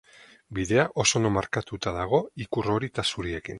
Bidea oso ondo markatuta dago ikur hori eta zuriekin.